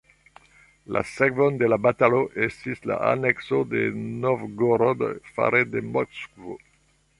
La sekvon de la batalo estis la anekso de Novgorod fare de Moskvo.